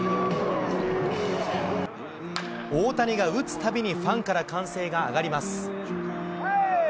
大谷が打つたびにファンから歓声が上がります。